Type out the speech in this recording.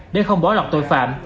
để không bỏ lọt tội phạm